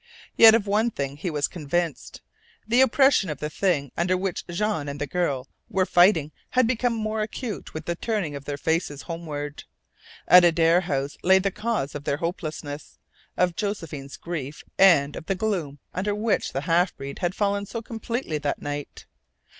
Yet of one thing was he convinced. The oppression of the thing under which Jean and the girl were fighting had become more acute with the turning of their faces homeward. At Adare House lay the cause of their hopelessness, of Josephine's grief, and of the gloom under which the half breed had fallen so completely that night.